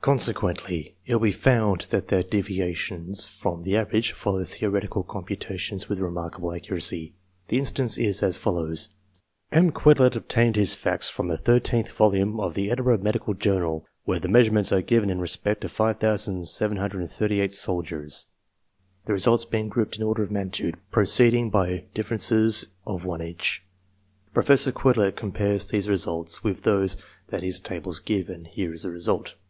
Consequently, it will be found that their deviations from the average follow theoretical computations with remarkable accuracy. The instance is as follows. M. Quetelet obtained his facts from the thirteenth volume of the Edinburgh Medical Journal, where the measurements are given in respect to 5,738 soldiers, the results being grouped in order of mag nitude, proceeding by differences of one inch. Professor Quetelet compares these results with those that his tables give, and here is the result.